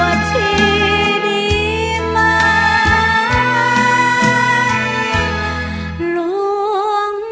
หัวใจเหมือนไฟร้อน